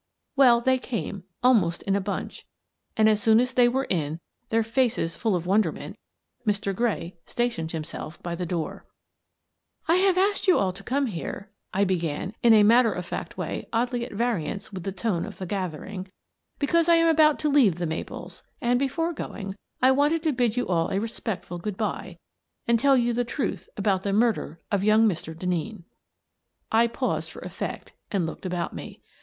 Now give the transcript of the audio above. Well, they came, almost in a bunch, and, as soon as they were in, — their faces full of wonder ment, — Mr. Gray stationed himself by the door. The Last of It 257 " I have asked you all to come here," I began in a matter of fact way oddly at variance with the tone of the gathering, "because I am about to leave 'The Maples/ and, before going, I wanted to bid you all a respectful good bye and tell you the truth about the murder of young Mr. Denneen." I paused for effect and looked about me.